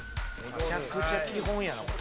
めちゃくちゃ基本やなこれ。